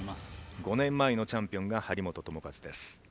５年前のチャンピオンが張本智和です。